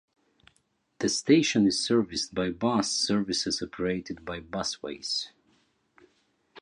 The station is serviced by bus services operated by Busways.